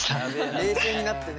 冷静になってね。